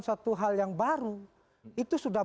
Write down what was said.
suatu hal yang baru itu sudah